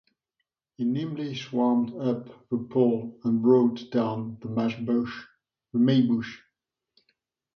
He nimbly swarmed up the pole and brought down the May-bush.